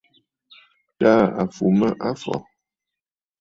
Tàa à fù mə afɔ̀.